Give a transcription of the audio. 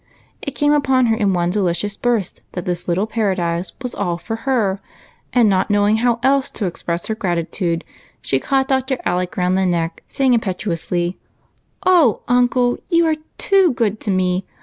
It came upon her in one delicious burst that this little paradise was all for her, and, not knowing how else to express her gratitude, she caught Dr. Aleo round the neck, saying impetuously, — UNCLE ALECS ROOM. 69 *' O uncle, you are too good to me